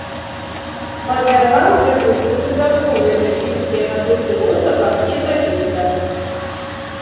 Падвяргаўся крытыцы за погляды, блізкія натурфілосафам і сафістам.